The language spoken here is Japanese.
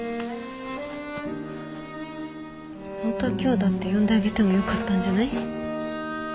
本当は今日だって呼んであげてもよかったんじゃない？